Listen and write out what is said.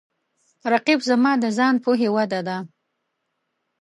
رقیب زما د ځان پوهې وده ده